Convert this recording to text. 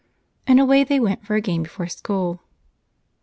And away they went for a game before school.